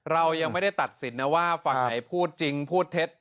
เรายังไม่ได้ตัดสินนะว่าฝั่งไหนพูดจริงพูดเท็จ